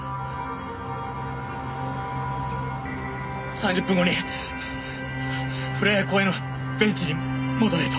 ３０分後にふれあい公園のベンチに戻れと。